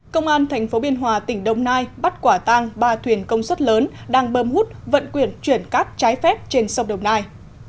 công an tp biên hòa tỉnh đồng nai bắt quả tang ba thuyền công suất lớn đang bơm hút vận chuyển cát trái phép trên sông đồng nai